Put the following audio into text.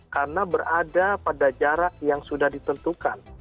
karena berada pada jarak yang sudah ditentukan